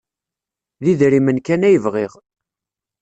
D idrimen kan ay bɣiɣ.